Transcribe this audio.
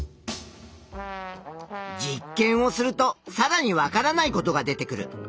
実験をするとさらに分からないことが出てくる。